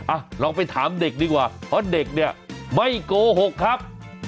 อ่ะลองไปถามเด็กดีกว่าเพราะเด็กเนี่ยไม่โกหกครับ